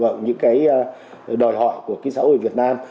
với những đòi hỏi của xã hội việt nam